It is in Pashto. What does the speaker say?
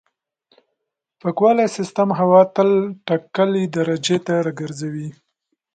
پاکوالي سیستم هوا تل ټاکلې درجې ته راګرځوي.